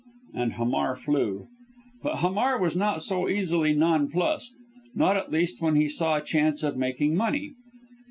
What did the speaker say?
and Hamar flew. But Hamar was not so easily nonplussed; not at least when he saw a chance of making money.